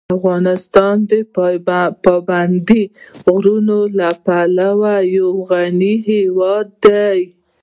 افغانستان د پابندي غرونو له پلوه یو غني هېواد دی.